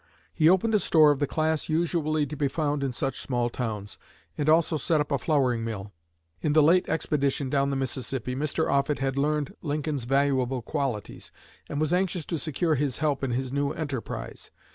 He opened a store of the class usually to be found in such small towns, and also set up a flouring mill. In the late expedition down the Mississippi Mr. Offutt had learned Lincoln's valuable qualities, and was anxious to secure his help in his new enterprise.